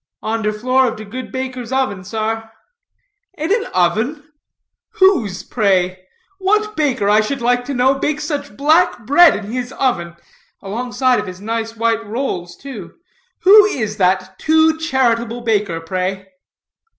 "On der floor of der good baker's oven, sar." "In an oven? whose, pray? What baker, I should like to know, bakes such black bread in his oven, alongside of his nice white rolls, too. Who is that too charitable baker, pray?"